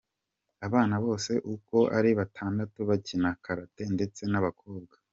Abana be bose uko ari batandatu bakina karate ndetse n’abakobwa.